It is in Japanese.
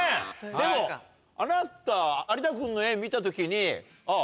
でもあなた有田君の絵見た時に。